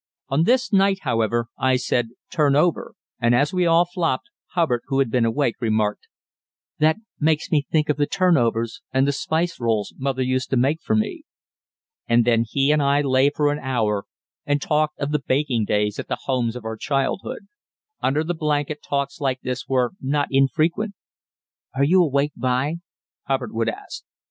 On this night, however, I said "turn over," and as we all flopped, Hubbard, who had been awake, remarked: "That makes me think of the turnovers and the spicerolls mother used to make for me." And then he and I lay for an hour and talked of the baking days at the homes of our childhood. Under the blanket talks like this were not infrequent. "Are you awake, b'y?" Hubbard would ask.